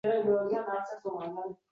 O‘yin o‘ylab topish mumkin.